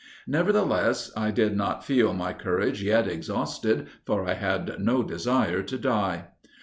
Nevertheless, I did not feel my courage yet exhausted, for I had no desire to die.